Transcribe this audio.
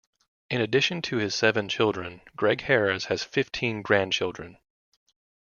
In addition to his seven children, Gregg Harris has fifteen grandchildren.